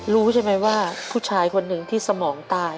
รู้ใช่ไหมว่าผู้ชายคนหนึ่งที่สมองตาย